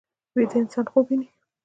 ویده انسان خوب ویني